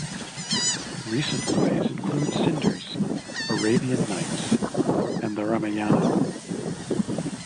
Recent plays include "Cinders", "Arabian Nights", and "The Ramayana".